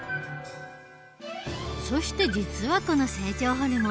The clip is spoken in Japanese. そして実はこの成長ホルモン